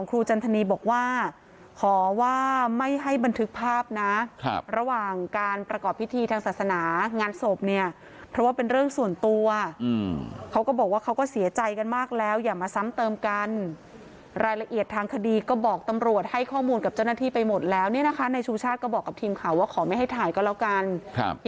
จันทนีบอกว่าขอว่าไม่ให้บันทึกภาพนะระหว่างการประกอบพิธีทางศาสนางานศพเนี่ยเพราะว่าเป็นเรื่องส่วนตัวเขาก็บอกว่าเขาก็เสียใจกันมากแล้วอย่ามาซ้ำเติมกันรายละเอียดทางคดีก็บอกตำรวจให้ข้อมูลกับเจ้าหน้าที่ไปหมดแล้วเนี่ยนะคะในชูชาติก็บอกกับทีมข่าวว่าขอไม่ให้ถ่ายก็แล้วกันครับ